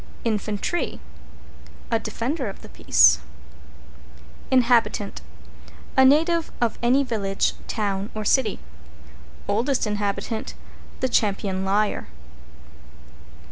=INFANTRY= A defender of the peace. =INHABITANT= A native of any village, town or city. =OLDEST INHABITANT= The Champion Liar.